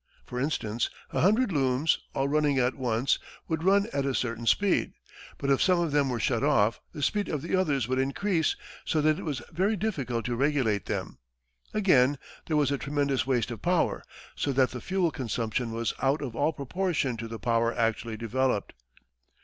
For instance, a hundred looms, all running at once, would run at a certain speed, but if some of them were shut off, the speed of the others would increase, so that it was very difficult to regulate them. Again, there was a tremendous waste of power, so that the fuel consumption was out of all proportion to the power actually developed.